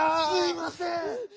すいません！